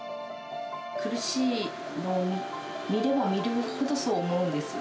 苦しいのを見れば見るほどそう思うんです。